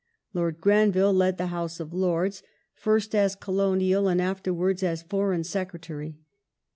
Lord Granville led the House of Lords, first as Colonial and afterwards as Foreign Secretary.